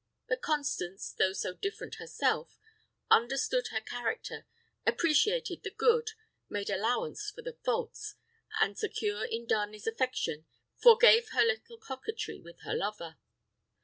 But Constance, though so different herself, understood her character, appreciated the good, made allowance for the faults, and secure in Darnley's affection, forgave her little coquetry with her lover.